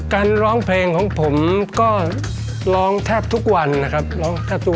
การร้องเพลงของผมก็ร้องแทบทุกวันนะครับ